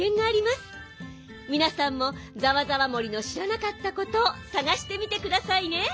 みなさんもざわざわ森のしらなかったことをさがしてみてくださいね。